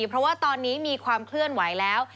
เพราะว่าตอนนี้มีความเคลื่อนไหวแล้ว